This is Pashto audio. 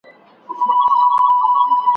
ایا ته د امام غزالي په فلسفه خبر یې؟